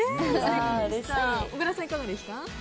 小倉さん、いかがでした？